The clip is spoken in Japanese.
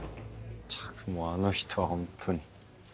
ったくもうあの人はほんとに。